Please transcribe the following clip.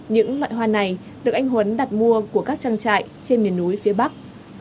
những loại hoa này được anh huấn đặt mua của các trang trại trên miền núi phía bắc